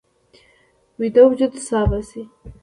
ویده وجود سا باسي